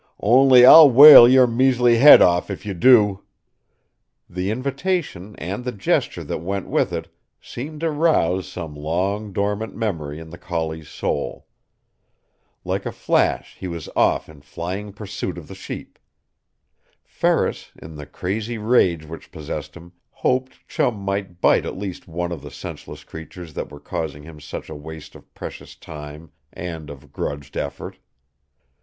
"Only I'll whale your measly head off if you do!" The invitation and the gesture that went with it seemed to rouse some long dormant memory in the collie's soul. Like a flash he was off in flying pursuit of the sheep. Ferris, in the crazy rage which possessed him, hoped Chum might bite at least one of the senseless creatures that were causing him such a waste of precious time and of grudged effort.